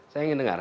saya ingin dengar